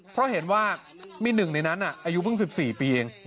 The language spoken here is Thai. เพราะเห็นว่ามีหนึ่งในนั้นอายุเพิ่ง๑๔ปีเอง